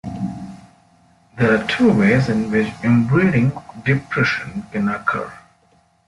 There are two ways in which inbreeding depression can occur.